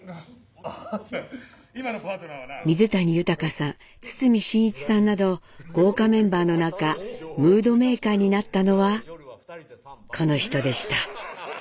水谷豊さん堤真一さんなど豪華メンバーの中ムードメーカーになったのはこの人でした。